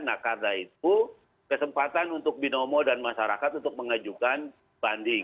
nah karena itu kesempatan untuk binomo dan masyarakat untuk mengajukan banding